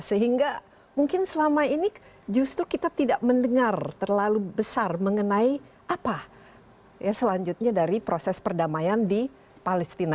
sehingga mungkin selama ini justru kita tidak mendengar terlalu besar mengenai apa ya selanjutnya dari proses perdamaian di palestina